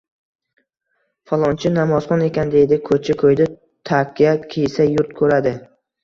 Falonchi namozxon ekan, deydi. Ko‘cha-ko‘yda takya kiysa, yurt ko‘radi.